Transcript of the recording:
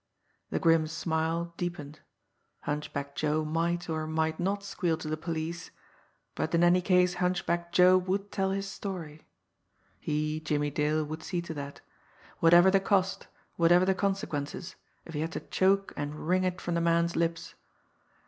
The grim smile deepened. Hunchback Joe might, or might not, squeal to the police but in any case Hunchback Joe would tell his story! He, Jimmie Dale, would see to that whatever the cost, whatever the consequences, if he had to choke and wring it from the man's lips.